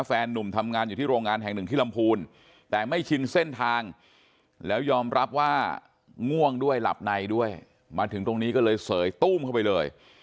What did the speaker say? นุ่มทำงานอยู่ที่โรงงานแห่งหนึ่งที่ลำพูนแต่ไม่ชินเส้นทางแล้วยอมรับว่าง่วงด้วยหลับในด้วยมาถึงตรงนี้ก็เลยเสยตู้มเข้าไปเลย